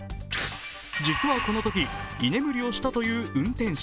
実は、このとき居眠りをしたという運転手。